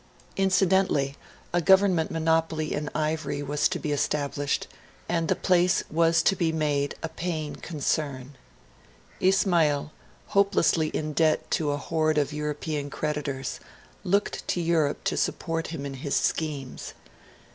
Incidentally, a government monopoly in ivory was to be established, and the place was to be made a paying concern. Ismail, hopelessly in debt to a horde of European creditors, looked to Europe to support him in his schemes.